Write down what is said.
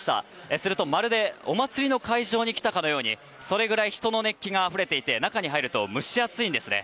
すると、まるでお祭りの会場に来たかのようにそれぐらい人の熱気があふれていて中に入ると蒸し暑いんですね。